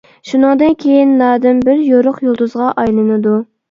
شۇنىڭدىن كېيىن نادىم بىر يورۇق يۇلتۇزغا ئايلىنىدۇ.